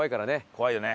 怖いよね。